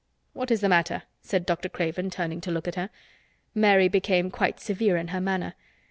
"What is the matter?" said Dr. Craven, turning to look at her. Mary became quite severe in her manner.